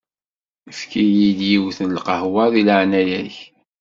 Efk-iyi-d yiwet n lqehwa di leɛnaya-k!